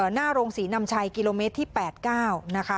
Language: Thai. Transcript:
หน้าโรงศรีนำชัยกิโลเมตรที่๘๙นะคะ